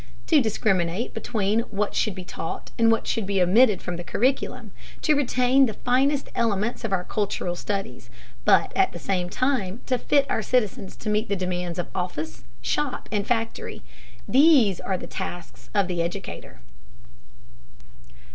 To discriminate between what should be taught and what should be omitted from the curriculum, to retain the finest elements of our cultural studies, but at the same time to fit our citizens to meet the demands of office, shop, and factory, these are the tasks of the educator.